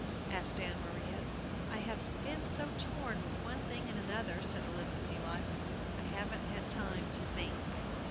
asked Ann Maria. "I have been so torn with one thing and another," said Elizabeth Eliza, "I haven't had time to think!"